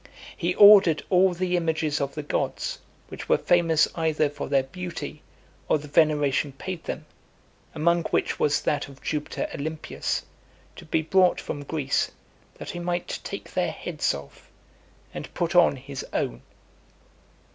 He ordered all the images of the gods, which were famous either for their beauty, or the veneration paid them, among which was that of Jupiter Olympius, to be brought from Greece, that he might take the heads off, and put on his own.